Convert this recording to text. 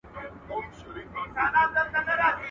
زه دي د مار څخه نه بېرېږم، ته مي په شرمښکۍ بېروې.